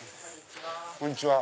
こんにちは。